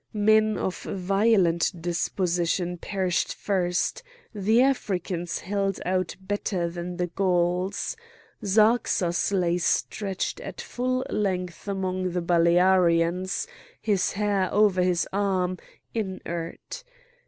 Men of violent disposition perished first; the Africans held out better than the Gauls. Zarxas lay stretched at full length among the Balearians, his hair over his arm, inert.